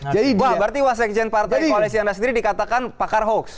berarti wasekjen partai koalisi anda sendiri dikatakan pakar hoax